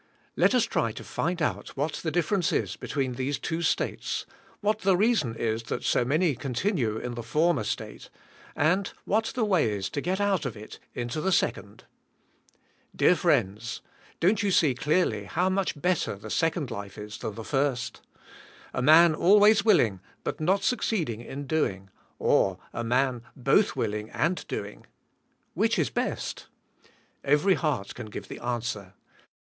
Let us try to find out what the difference is between these two states; what the reason is that so many continue in the for mer state; what the way is to get out of it into the second. Dear friends, don't 3^ou see clearly how much better the second life is than the first? A WIIvLING AND DOING. l75 man always willing" but not succeeding in doing", or a man both willing and doing — which is best? Kvery heart can give the answer.